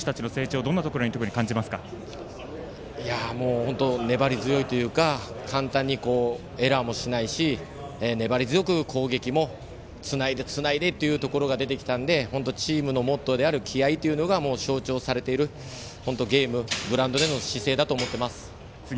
甲子園での試合を通しての選手たちの成長粘り強いというか簡単にエラーもしないし、粘り強く攻撃もつないでつないでというところが出てきたので本当、チームのモットーである「気愛」というのが象徴されているゲームグラウンドでの姿勢だと思います。